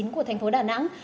của thành phố đà nẵng